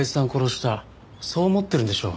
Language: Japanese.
そう思ってるんでしょ？